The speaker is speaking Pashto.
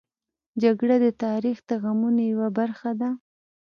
جګړه د تاریخ د غمونو یوه برخه ده